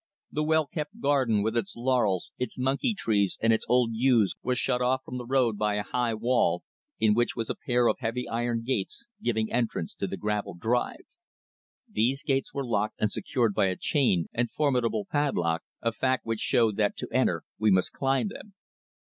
The well kept garden with its laurels, its monkey trees and its old yews was shut off from the road by a high wall, in which was a pair of heavy iron gates giving entrance to the gravelled drive. These gates were locked and secured by a chain and formidable padlock, a fact which showed that to enter we must climb them.